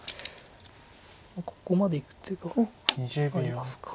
ここまでいく手がありますか。